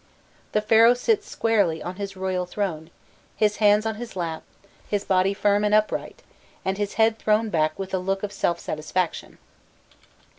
The Pharaoh sits squarely on his royal throne, his hands on his lap, his body firm and upright, and his head thrown back with a look of self satisfaction.